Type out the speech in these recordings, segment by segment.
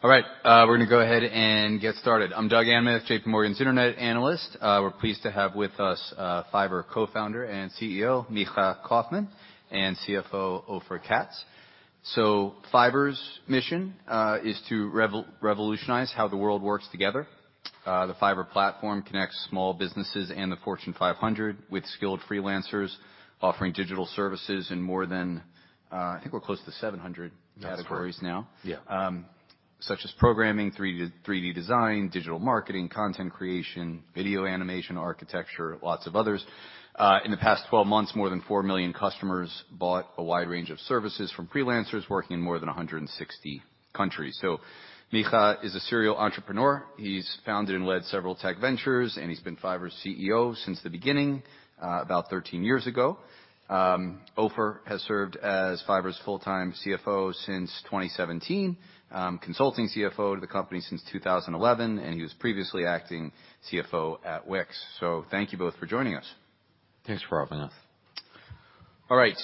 All right, we're gonna go ahead and get started. I'm Doug Anmuth, J.P. Morgan's internet analyst. We're pleased to have with us, Fiverr co-Founder and CEO, Micha Kaufman, and CFO, Ofer Katz. Fiverr's mission is to revolutionize how the world works together. The Fiverr platform connects small businesses and the Fortune 500 with skilled freelancers offering digital services in more than, I think we're close to 700 categories now. That's right. Yeah. such as programming, 3D design, digital marketing, content creation, video animation, architecture, lots of others. in the past 12 months, more than four million customers bought a wide range of services from freelancers working in more than 160 countries. Micha is a serial entrepreneur. He's founded and led several tech ventures, and he's been Fiverr's CEO since the beginning, about 13 years ago. Ofer has served as Fiverr's full-time CFO since 2017. consulting CFO to the company since 2011, and he was previously acting CFO at Wix. Thank you both for joining us. Thanks for having us. All right.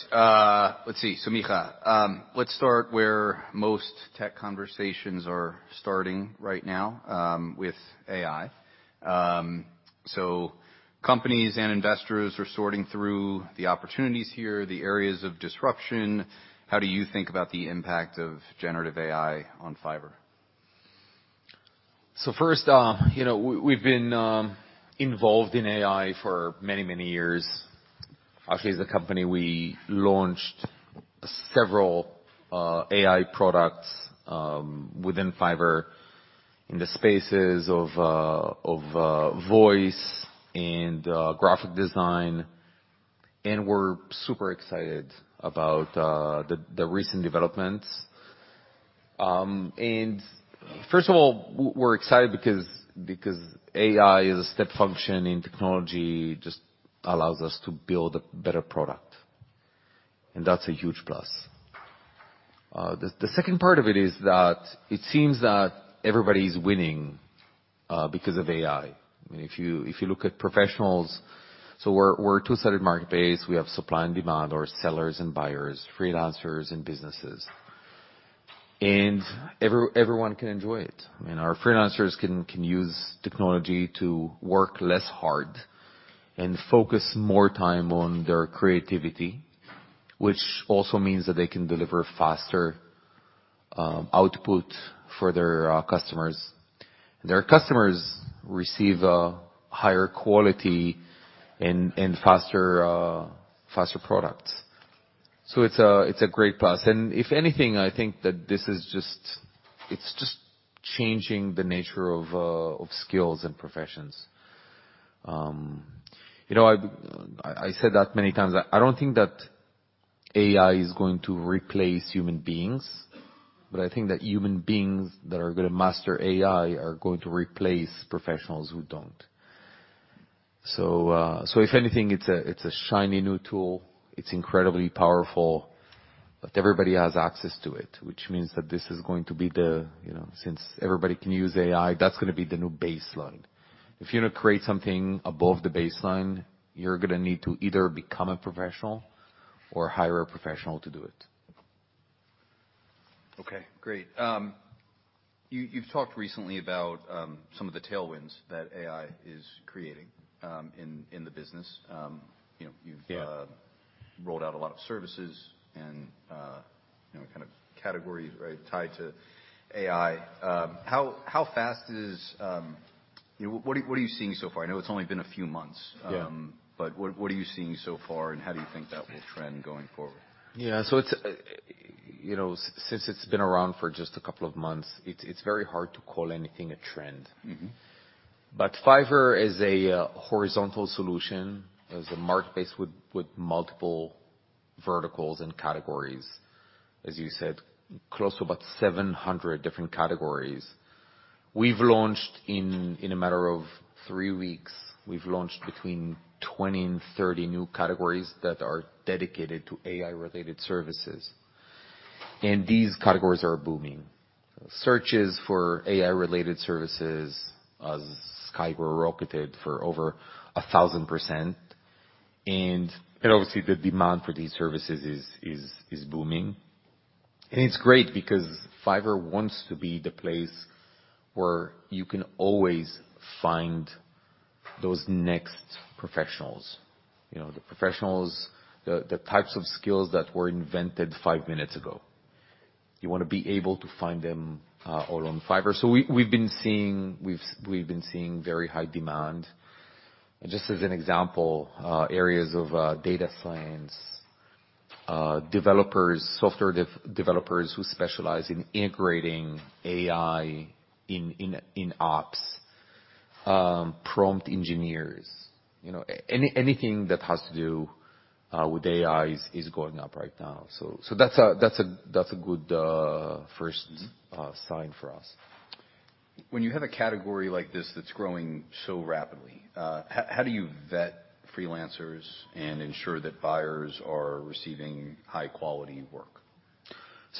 Let's see. Micha, let's start where most tech conversations are starting right now, with AI. Companies and investors are sorting through the opportunities here, the areas of disruption. How do you think about the impact of generative AI on Fiverr? First, you know, we've been involved in AI for many, many years. Actually, as a company, we launched several AI products within Fiverr in the spaces of voice and graphic design, and we're super excited about the recent developments. First of all, we're excited because AI is a step function in technology, just allows us to build a better product, and that's a huge plus. The second part of it is that it seems that everybody's winning because of AI. I mean, if you, if you look at professionals. We're a two-sided marketplace. We have supply and demand, or sellers and buyers, freelancers and businesses. Everyone can enjoy it. I mean, our freelancers can use technology to work less hard and focus more time on their creativity, which also means that they can deliver faster output for their customers. Their customers receive a higher quality and faster products. It's a great plus. If anything, I think that this is just changing the nature of skills and professions. You know, I said that many times. I don't think that AI is going to replace human beings, but I think that human beings that are gonna master AI are going to replace professionals who don't. If anything, it's a shiny new tool. It's incredibly powerful, but everybody has access to it, which means that this is going to be the, you know... Since everybody can use AI, that's gonna be the new baseline. If you wanna create something above the baseline, you're gonna need to either become a professional or hire a professional to do it. Okay, great. You've talked recently about some of the tailwinds that AI is creating in the business. You know. Yeah... rolled out a lot of services and, you know, kind of categories, right, tied to AI. How fast is, you know, what are you seeing so far? I know it's only been a few months. Yeah. What are you seeing so far, and how do you think that will trend going forward? Yeah. it's, you know, since it's been around for just a couple of months, it's very hard to call anything a trend. Mm-hmm. Fiverr is a horizontal solution. It's a marketplace with multiple verticals and categories. As you said, close to about 700 different categories. We've launched in a matter of three weeks, we've launched between 20 and 30 new categories that are dedicated to AI-related services, and these categories are booming. Searches for AI-related services has skyward rocketed for over 1,000%. Obviously the demand for these services is booming. It's great because Fiverr wants to be the place where you can always find those next professionals. You know, the professionals, the types of skills that were invented five minutes ago. You wanna be able to find them all on Fiverr. We've been seeing very high demand. Just as an example, areas of data science, developers, software developers who specialize in integrating AI in ops, prompt engineers. You know, anything that has to do with AI is going up right now. That's a good. Mm-hmm... sign for us. When you have a category like this that's growing so rapidly, how do you vet freelancers and ensure that buyers are receiving high-quality work?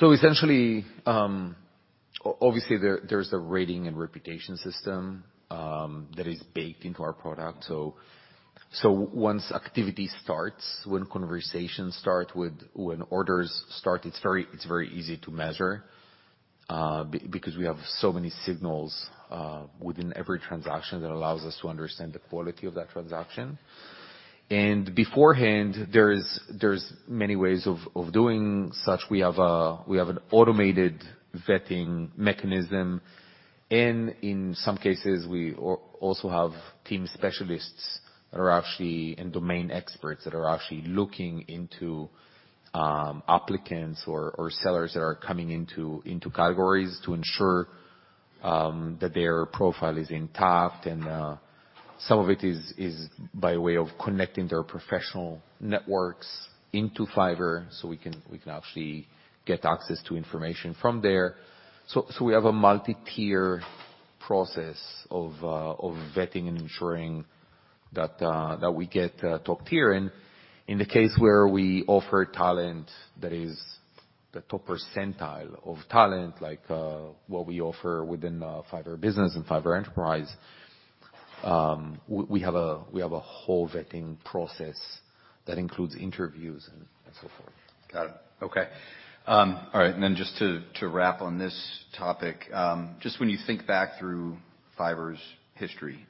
Essentially, obviously, there's a rating and reputation system that is baked into our product. Once activity starts, when conversations start, when orders start, it's very easy to measure because we have so many signals within every transaction that allows us to understand the quality of that transaction. Beforehand, there's many ways of doing such. We have an automated vetting mechanism, and in some cases, we also have team specialists and domain experts that are actually looking into applicants or sellers that are coming into categories to ensure that their profile is intact. Some of it is by way of connecting their professional networks into Fiverr, so we can actually get access to information from there. We have a multi-tier process of vetting and ensuring that we get top tier. In the case where we offer talent that is the top percentile of talent, like what we offer within Fiverr Business and Fiverr Enterprise, we have a whole vetting process that includes interviews and so forth. Got it. Okay. All right. Just to wrap on this topic, just when you think back through Fiverr's history,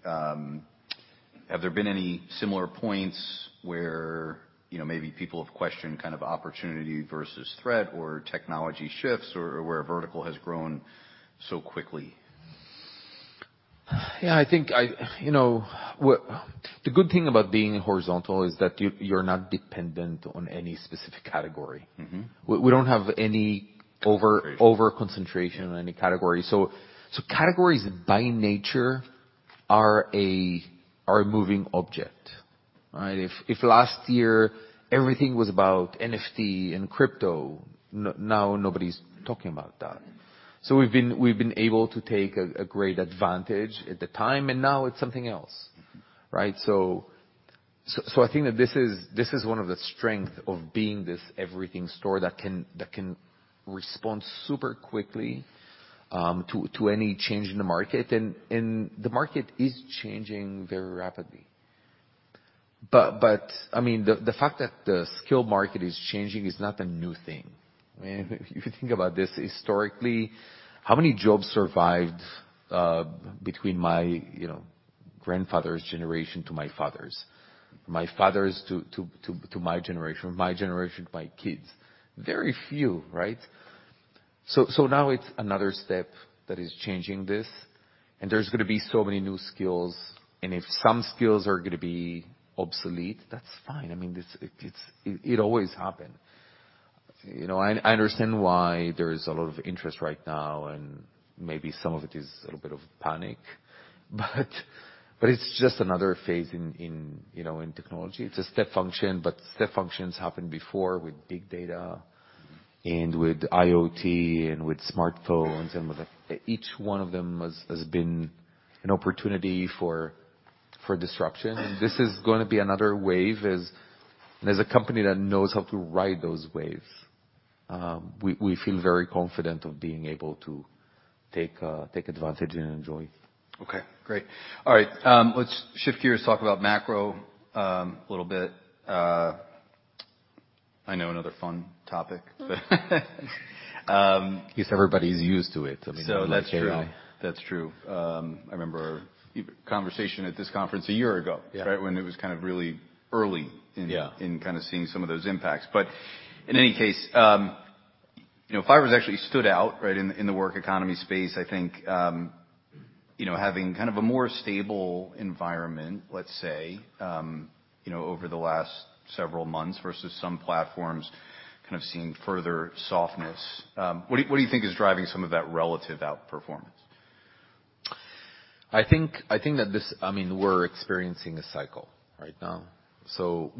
have there been any similar points where, you know, maybe people have questioned kind of opportunity versus threat or technology shifts or where a vertical has grown so quickly? Yeah, I think You know, The good thing about being horizontal is that you're not dependent on any specific category. Mm-hmm. We don't have any. Concentration Overconcentration on any category. Categories by nature are a moving object, right? If last year everything was about NFT and crypto, now nobody's talking about that. We've been able to take a great advantage at the time, and now it's something else, right? I think that this is one of the strength of being this everything store that can respond super quickly to any change in the market. The market is changing very rapidly. I mean, the fact that the skill market is changing is not a new thing. I mean, if you think about this historically, how many jobs survived between my, you know, grandfather's generation to my father's? My father's to my generation, my generation to my kids? Very few, right? Now it's another step that is changing this, there's gonna be so many new skills, if some skills are gonna be obsolete, that's fine. I mean, it's. It always happen. You know, I understand why there is a lot of interest right now, maybe some of it is a little bit of panic, but it's just another phase in, you know, in technology. It's a step function, step functions happened before with big data and with IoT and with smartphones and with the. Each one of them has been an opportunity for disruption. This is gonna be another wave as a company that knows how to ride those waves. We feel very confident of being able to take advantage and enjoy. Okay, great. All right, let's shift gears, talk about macro a little bit. I know another fun topic. At least everybody's used to it. I mean. That's true. That's true. I remember conversation at this conference a year ago. Yeah ...right when it was kind of really early. Yeah ...in kind of seeing some of those impacts. In any case, you know, Fiverr's actually stood out, right, in the work economy space, I think, you know, having kind of a more stable environment, let's say, you know, over the last several months versus some platforms kind of seeing further softness. What do you think is driving some of that relative outperformance? I think that this, I mean, we're experiencing a cycle right now.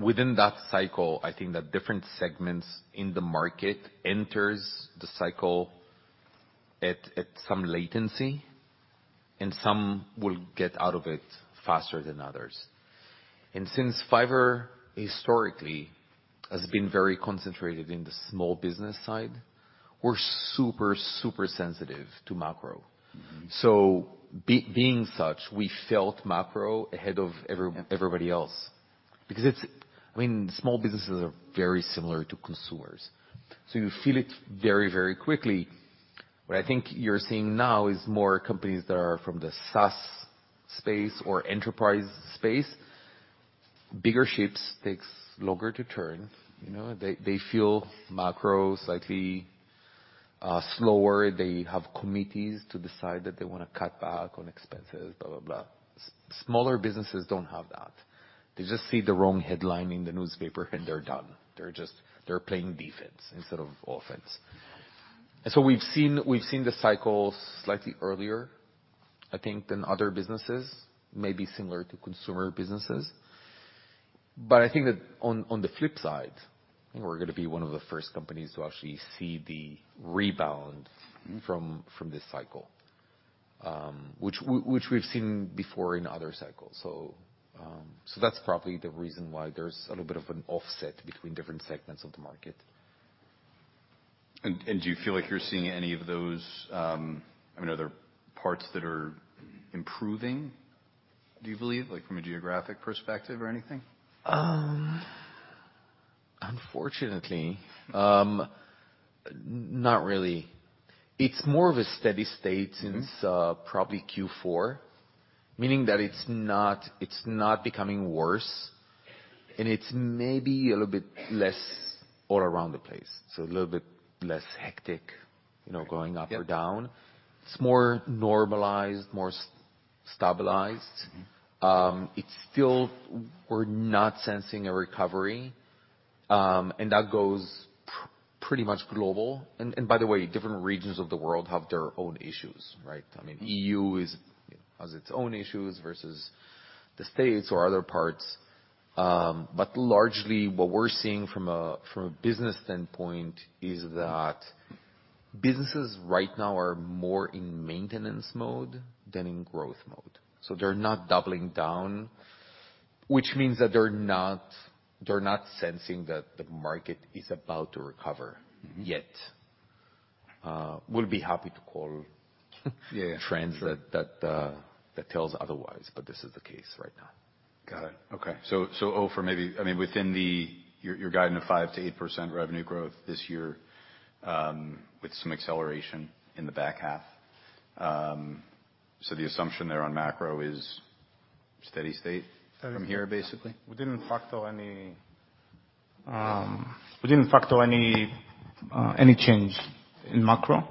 Within that cycle, I think that different segments in the market enters the cycle at some latency, and some will get out of it faster than others. Since Fiverr historically has been very concentrated in the small business side, we're super sensitive to macro. Mm-hmm. Being such, we felt macro ahead of everybody else because it's. I mean, small businesses are very similar to consumers, so you feel it very, very quickly. What I think you're seeing now is more companies that are from the SaaS space or enterprise space, bigger ships takes longer to turn. You know, they feel macro slightly slower. They have committees to decide that they wanna cut back on expenses, blah, blah. Smaller businesses don't have that. They just see the wrong headline in the newspaper, and they're done. They're just. They're playing defense instead of offense. We've seen the cycle slightly earlier, I think, than other businesses, maybe similar to consumer businesses. I think that on the flip side, I think we're gonna be one of the first companies to actually see the rebound. Mm-hmm ...from this cycle, which we've seen before in other cycles. That's probably the reason why there's a little bit of an offset between different segments of the market. Do you feel like you're seeing any of those, I mean, are there parts that are improving, do you believe, like, from a geographic perspective or anything? unfortunately, not really. It's more of a steady state- Mm-hmm. since, probably Q4, meaning that it's not becoming worse, and it's maybe a little bit less all around the place. A little bit less hectic, you know, going up or down. Yep. It's more normalized, more stabilized. Mm-hmm. It's still we're not sensing a recovery, and that goes pretty much global. And by the way, different regions of the world have their own issues, right? Mm-hmm. I mean, EU is... has its own issues versus the States or other parts. Largely what we're seeing from a, from a business standpoint is that businesses right now are more in maintenance mode than in growth mode. They're not doubling down, which means that they're not sensing that the market is about to recover. Mm-hmm. yet. we'll be happy to call- Yeah. trends that tells otherwise, but this is the case right now. Got it. Okay. Ofer maybe, I mean, You're guiding a 5% to 8% revenue growth this year, with some acceleration in the back half. The assumption there on macro is steady state from here, basically? We didn't factor any change in macro.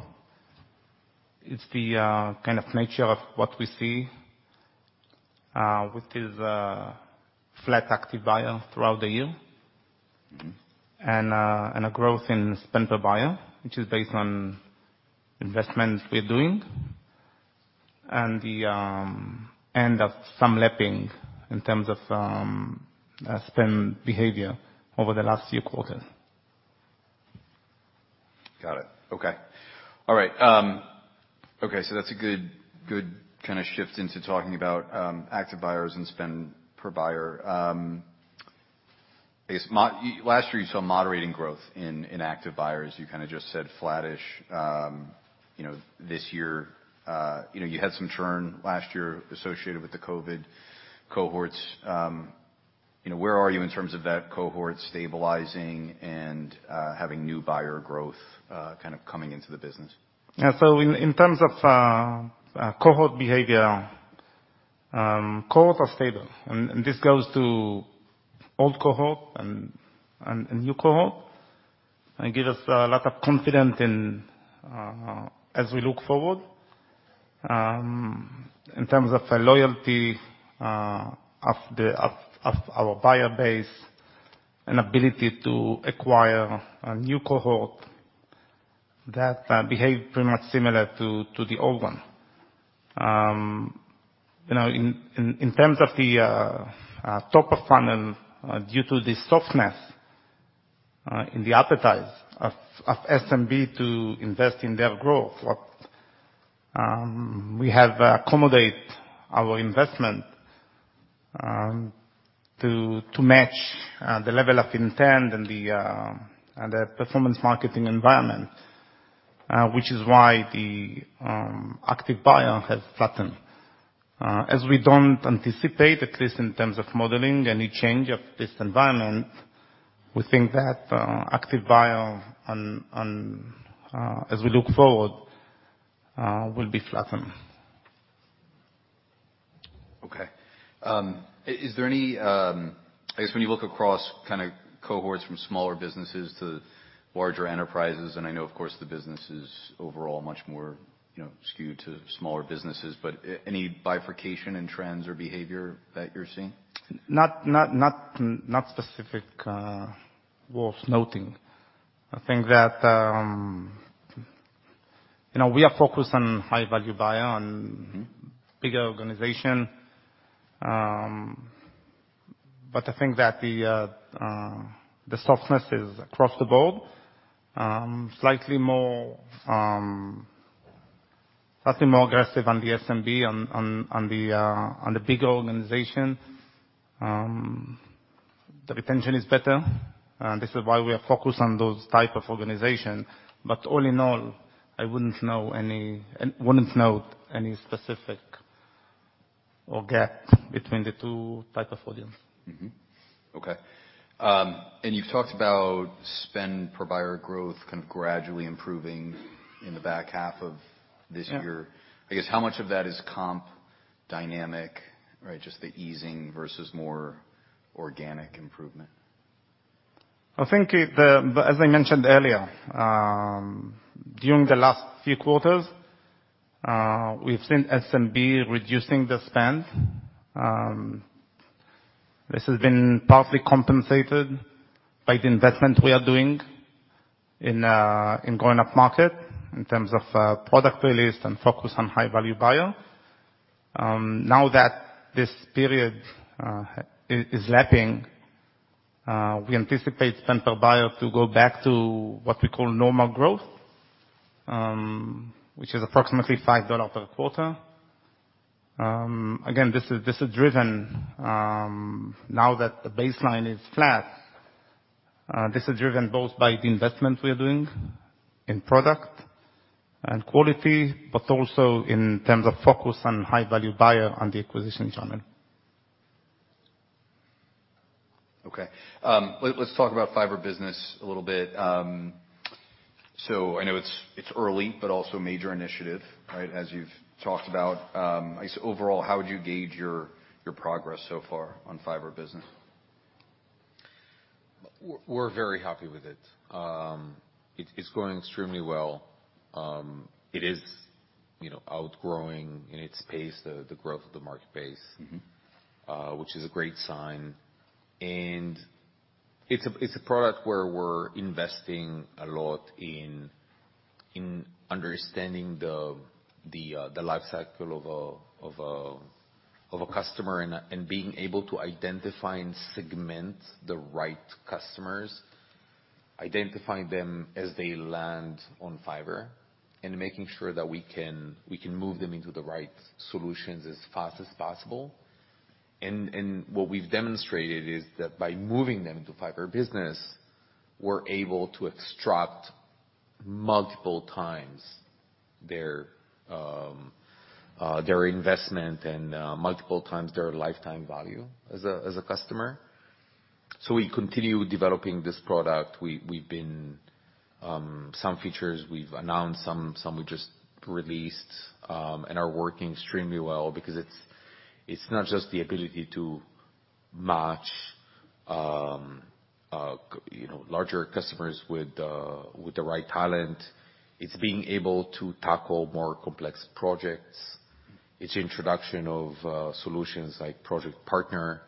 It's the kind of nature of what we see, which is flat active buyer throughout the year. Mm-hmm. A growth in spend per buyer, which is based on investments we're doing. The end of some lapping in terms of spend behavior over the last few quarters. Got it. Okay. All right. Okay, that's a good kind of shift into talking about active buyers and spend per buyer. I guess Last year you saw moderating growth in active buyers. You kind of just said flattish, you know, this year. You know, you had some churn last year associated with the COVID cohorts. You know, where are you in terms of that cohort stabilizing and having new buyer growth kind of coming into the business? Yeah. In terms of cohort behavior, cohorts are stable. This goes to old cohort and new cohort, and give us a lot of confidence as we look forward in terms of the loyalty of our buyer base and ability to acquire a new cohort that behave pretty much similar to the old one. You know, in terms of the top of funnel, due to the softness in the appetite of SMB to invest in their growth, we have accommodate our investment to match the level of intent and the performance marketing environment, which is why the active buyer has flattened. As we don't anticipate, at least in terms of modeling, any change of this environment, we think that active buyer on, as we look forward, will be flattened. Okay. Is there any, I guess when you look across kind of cohorts from smaller businesses to larger enterprises, and I know, of course, the business is overall much more, you know, skewed to smaller businesses, but any bifurcation in trends or behavior that you're seeing? Not specific, worth noting. I think that, you know, we are focused on high value buyer. Mm-hmm. -bigger organization. I think that the softness is across the board. slightly more aggressive on the SMB on the bigger organization. The retention is better, and this is why we are focused on those type of organization. All in all, wouldn't note any specific or gap between the two type of audience. Mm-hmm. Okay. You've talked about spend per buyer growth kind of gradually improving in the back half of this year. Yeah. I guess how much of that is comp dynamic, right? Just the easing versus more organic improvement. I think As I mentioned earlier, during the last few quarters, we've seen SMB reducing the spend. This has been partly compensated by the investment we are doing in growing up market in terms of product release and focus on high value buyer. Now that this period is lapping, we anticipate spend per buyer to go back to what we call normal growth, which is approximately $5 per quarter. Again, this is driven, now that the baseline is flat, this is driven both by the investment we are doing in product and quality, but also in terms of focus on high value buyer and the acquisition channel. let's talk about Fiverr Business a little bit. I know it's early, but also a major initiative, right? As you've talked about. Overall, how would you gauge your progress so far on Fiverr Business? We're very happy with it. It's growing extremely well. It is, you know, outgrowing in its pace the growth of the market base. Mm-hmm ...which is a great sign. It's a product where we're investing a lot in understanding the life cycle of a customer and being able to identify and segment the right customers. Identifying them as they land on Fiverr, making sure that we can move them into the right solutions as fast as possible. What we've demonstrated is that by moving them to Fiverr Business, we're able to extract multiple times their investment and multiple times their lifetime value as a customer. We continue developing this product. We've been some features we've announced, some we just released, and are working extremely well because it's not just the ability to match, you know, larger customers with the right talent. It's being able to tackle more complex projects. It's introduction of solutions like Project Partner,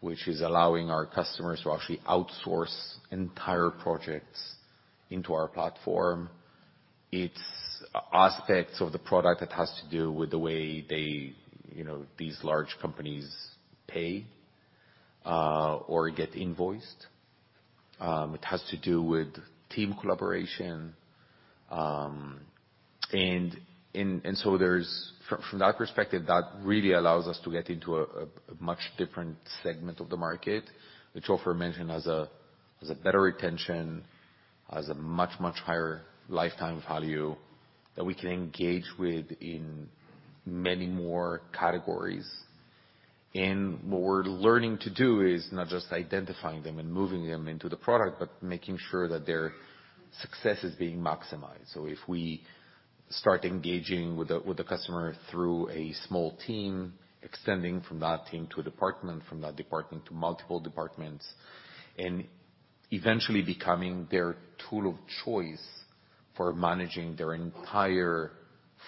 which is allowing our customers to actually outsource entire projects into our platform. It's aspects of the product that has to do with the way they, you know, these large companies pay or get invoiced. It has to do with team collaboration, and so there's, from that perspective, that really allows us to get into a much different segment of the market, which Ofer mentioned has a better retention, has a much higher lifetime value that we can engage with in many more categories. What we're learning to do is not just identifying them and moving them into the product, but making sure that their success is being maximized. If we start engaging with the customer through a small team, extending from that team to a department, from that department to multiple departments, and eventually becoming their tool of choice for managing their entire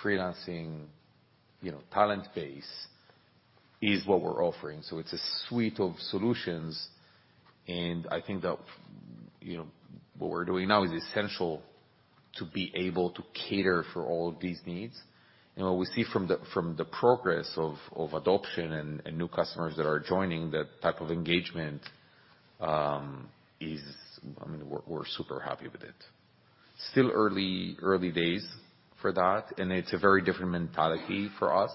freelancing, you know, talent base, is what we're offering. It's a suite of solutions, and I think that, you know, what we're doing now is essential to be able to cater for all of these needs. What we see from the progress of adoption and new customers that are joining that type of engagement is. I mean, we're super happy with it. Still early days for that, and it's a very different mentality for us.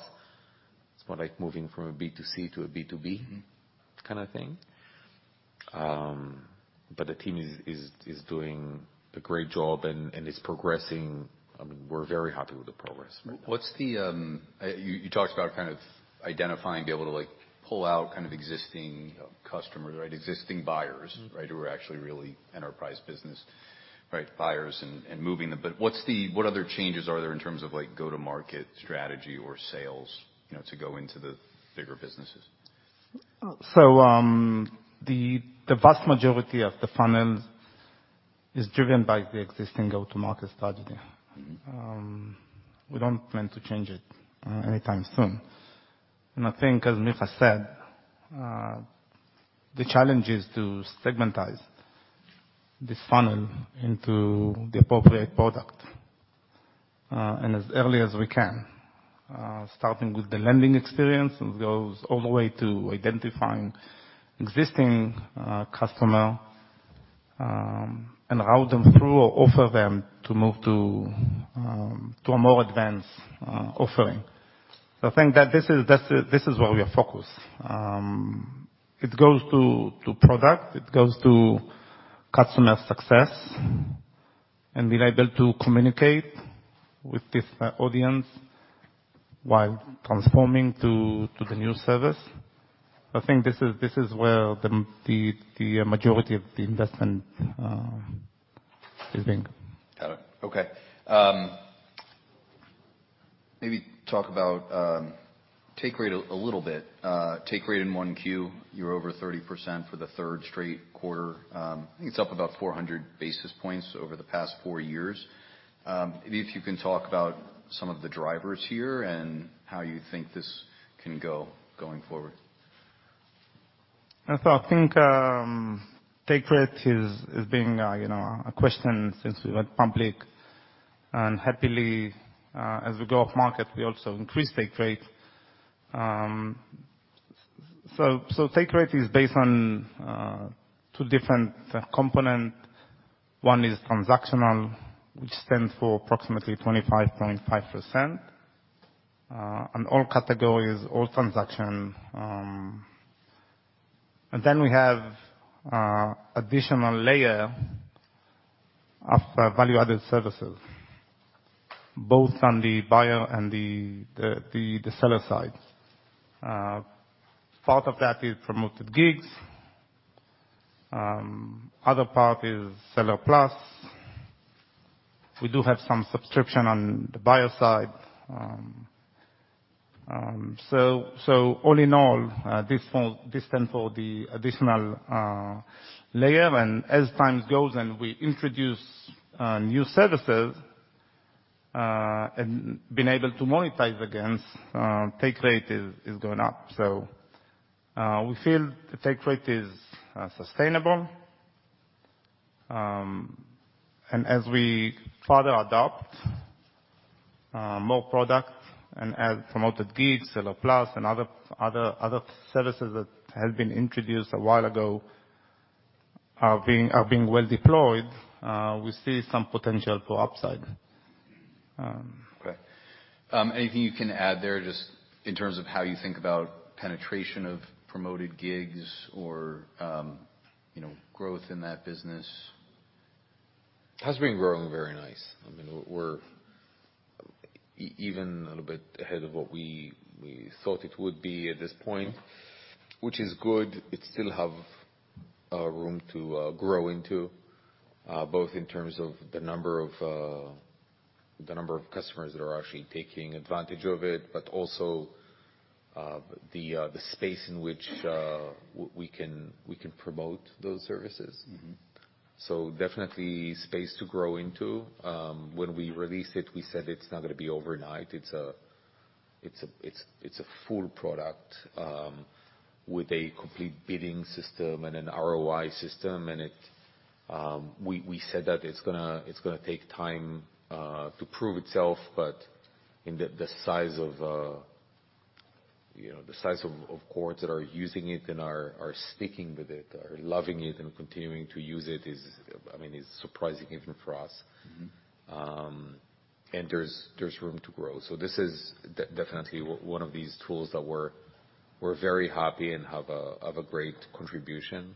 It's more like moving from a B2C to a B2B- Mm-hmm ...kind of thing. The team is doing a great job and it's progressing. I mean, we're very happy with the progress right now. You talked about kind of identifying, being able to, like, pull out kind of existing customers, right? Existing buyers. Mm-hmm ...right, who are actually really enterprise business, right? Buyers and moving them. What other changes are there in terms of, like, go-to-market strategy or sales, you know, to go into the bigger businesses? The vast majority of the funnel is driven by the existing go-to-market strategy. We don't plan to change it anytime soon. I think as Micha said, the challenge is to segmentize this funnel into the appropriate product and as early as we can. Starting with the landing experience, it goes all the way to identifying existing customer and route them through or offer them to move to a more advanced offering. I think that this is where we are focused. It goes to product, it goes to customer success, and being able to communicate with this audience while transforming to the new service. I think this is where the majority of the investment is being. Got it. Okay. Maybe talk about, take rate a little bit. Take rate in 1Q, you're over 30% for the third straight quarter. I think it's up about 400 basis points over the past four years. Maybe if you can talk about some of the drivers here and how you think this can go going forward. I think, you know, take rate is being a question since we went public. Happily, as we go off market, we also increase take rate. take rate is based on two different component. One is transactional, which stands for approximately 25.5% on all categories, all transaction. We have additional layer of value-added services, both on the buyer and the seller side. Part of that is Promoted Gigs. Other part is Seller Plus. We do have some subscription on the buyer side. All in all, this stands for the additional layer. As times goes and we introduce new services and been able to monetize against, take rate is going up. We feel the take rate is sustainable, and as we further adopt more product and add Promoted Gigs, Seller Plus and other services that have been introduced a while ago are being well deployed, we see some potential for upside. Okay. Anything you can add there just in terms of how you think about penetration of Promoted Gigs or, you know, growth in that business? Has been growing very nice. I mean, we're even a little bit ahead of what we thought it would be at this point, which is good. It still have room to grow into both in terms of the number of customers that are actually taking advantage of it, but also the space in which we can promote those services. Mm-hmm. Definitely space to grow into. When we released it, we said it's not gonna be overnight. It's a full product with a complete bidding system and an ROI system. It, we said that it's gonna take time to prove itself. In the size of, you know, the size of course, that are using it and are sticking with it, are loving it and continuing to use it is, I mean, is surprising even for us. Mm-hmm. There's room to grow. This is definitely one of these tools that we're very happy and have a great contribution.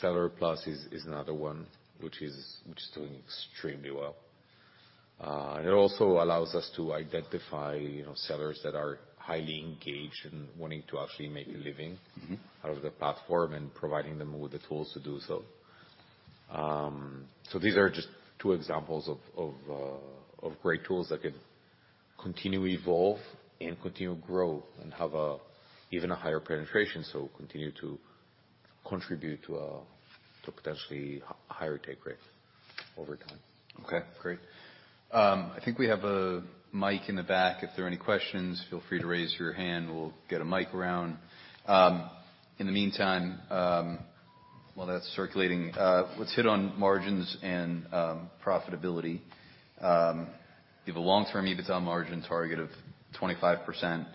Seller Plus is another one which is doing extremely well. It also allows us to identify, you know, sellers that are highly engaged and wanting to actually make a living. Mm-hmm... out of the platform and providing them with the tools to do so. These are just two examples of great tools that could continue evolve and continue grow and have a even a higher penetration. continue to contribute to potentially higher take rate over time. Okay, great. I think we have a mic in the back. If there are any questions, feel free to raise your hand. We'll get a mic around. In the meantime, while that's circulating, let's hit on margins and profitability. You have a long-term EBITDA margin target of 25%.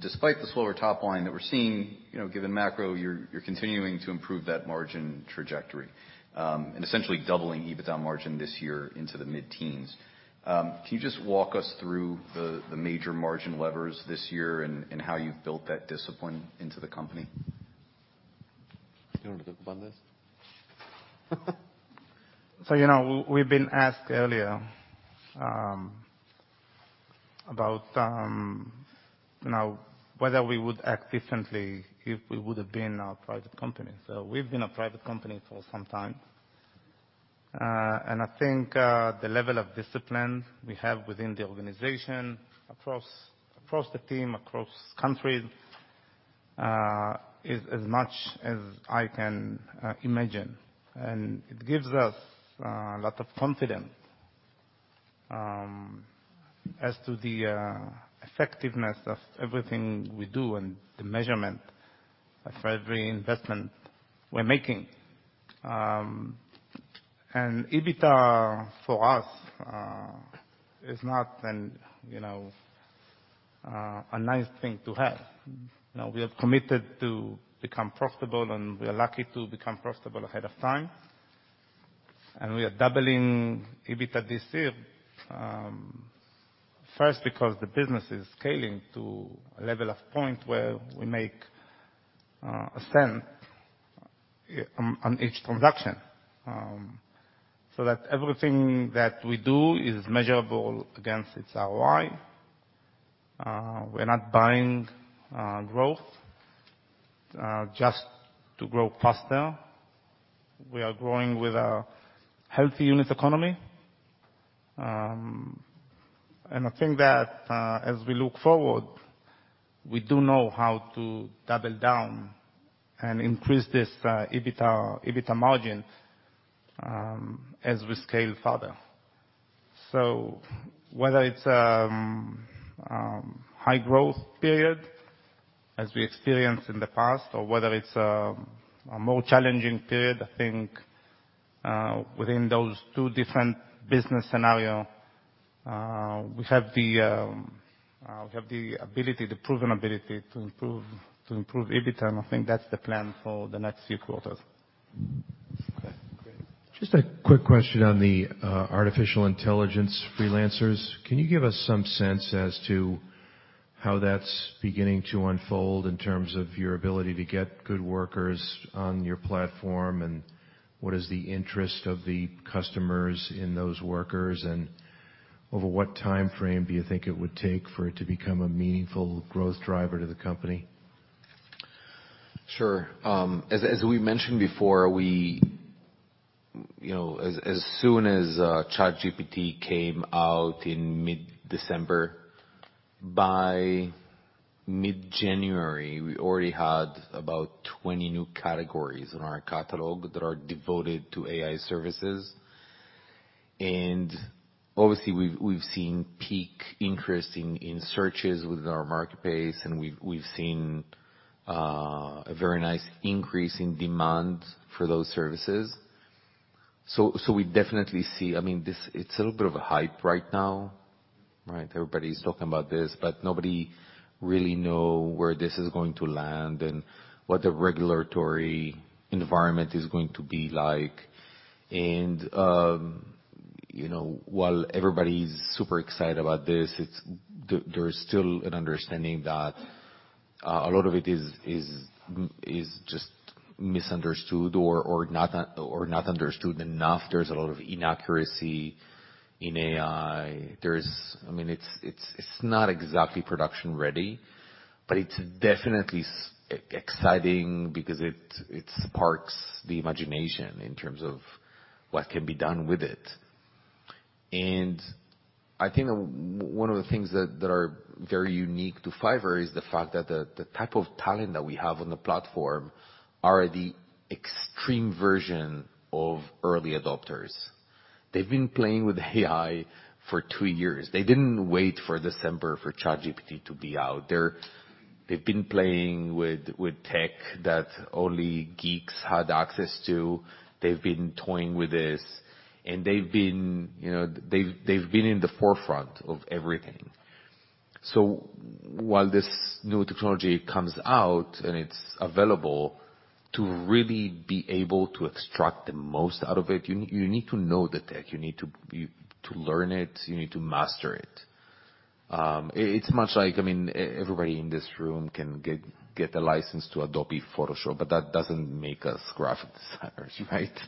Despite the slower top line that we're seeing, you know, given macro, you're continuing to improve that margin trajectory, and essentially doubling EBITDA margin this year into the mid-teens. Can you just walk us through the major margin levers this year and how you've built that discipline into the company? You wanna talk about this? You know, we've been asked earlier, about, you know, whether we would act differently if we would have been a private company. We've been a private company for some time. I think the level of discipline we have within the organization, across the team, across countries, is as much as I can imagine. It gives us a lot of confidence as to the effectiveness of everything we do and the measurement of every investment we're making. EBITDA for us is not an, you know, a nice thing to have. Mm-hmm. You know, we have committed to become profitable, we are lucky to become profitable ahead of time. We are doubling EBITDA this year, first because the business is scaling to a level of point where we make $0.01 on each transaction, so that everything that we do is measurable against its ROI. We're not buying growth just to grow faster. We are growing with a healthy unit economy. I think that, as we look forward, we do know how to double down and increase this EBITDA margin, as we scale further. Whether it's high growth period as we experienced in the past or whether it's a more challenging period, I think, within those two different business scenario, we have the ability, the proven ability to improve EBITDA, and I think that's the plan for the next few quarters. Okay, great. Just a quick question on the artificial intelligence freelancers. Can you give us some sense as to how that's beginning to unfold in terms of your ability to get good workers on your platform? What is the interest of the customers in those workers? Over what timeframe do you think it would take for it to become a meaningful growth driver to the company? Sure. as we mentioned before, we, you know, as soon as ChatGPT came out in mid-December, by mid-January, we already had about 20 new categories in our catalog that are devoted to AI services. Obviously, we've seen peak interest in searches within our marketplace, and we've seen a very nice increase in demand for those services. We definitely see... I mean, this... it's a little bit of a hype right now, right? Everybody's talking about this, but nobody really know where this is going to land and what the regulatory environment is going to be like. You know, while everybody's super excited about this, there's still an understanding that a lot of it is just misunderstood or not understood enough. There's a lot of inaccuracy in AI. There's... I mean, it's not exactly production ready, but it's definitely exciting because it sparks the imagination in terms of what can be done with it. I think one of the things that are very unique to Fiverr is the fact that the type of talent that we have on the platform are the extreme version of early adopters. They've been playing with AI for two years. They didn't wait for December for ChatGPT to be out. They've been playing with tech that only geeks had access to. They've been toying with this, and they've been, you know, they've been in the forefront of everything. While this new technology comes out and it's available, to really be able to extract the most out of it, you need to know the tech. You need to learn it, you need to master it. It's much like, I mean, everybody in this room can get a license to Adobe Photoshop, but that doesn't make us graphic designers, right?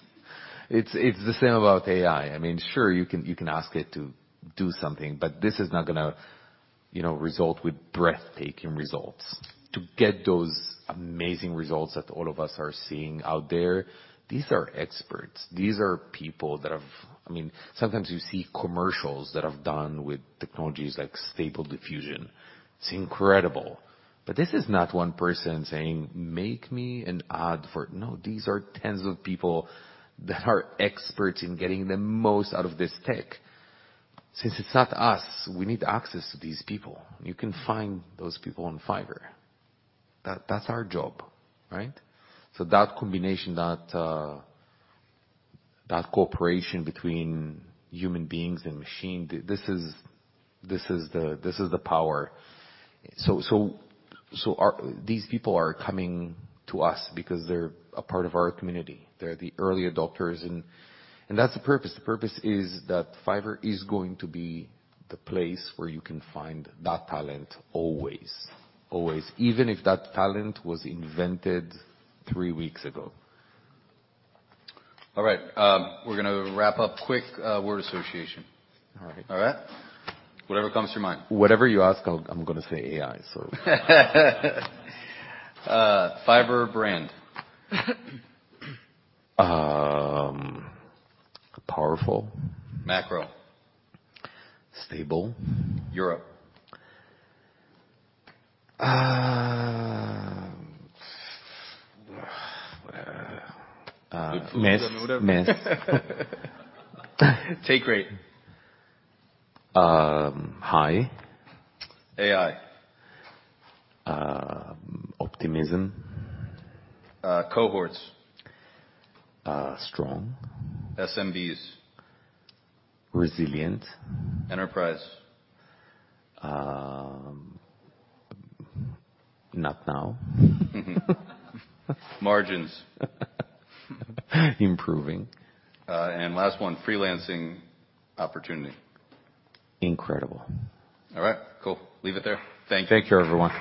It's the same about AI. I mean, sure, you can ask it to do something, but this is not gonna, you know, result with breathtaking results. To get those amazing results that all of us are seeing out there, these are experts. These are people that have. I mean, sometimes you see commercials that have done with technologies like Stable Diffusion. It's incredible. This is not one person saying, "Make me an ad for." No, these are tens of people that are experts in getting the most out of this tech. Since it's not us, we need access to these people. You can find those people on Fiverr. That's our job, right? That combination, that cooperation between human beings and machine, this is, this is the power. These people are coming to us because they're a part of our community. They're the early adopters, that's the purpose. The purpose is that Fiverr is going to be the place where you can find that talent always, even if that talent was invented three weeks ago. All right. We're gonna wrap up quick. Word association. All right. All right? Whatever comes to your mind. Whatever you ask, I'm gonna say AI, so. Fiverr brand. Powerful. Macro. Stable. Europe. Mess. take rate. High. AI. Optimism. Cohorts. Strong. SMBs. Resilient. Enterprise. Not now. Margins. Improving. Last one, freelancing. Opportunity. Incredible. All right, cool. Leave it there. Thank you. Take care, everyone.